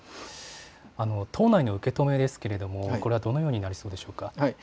党内の受け止めですが、これはどのようになりそうでしょうか。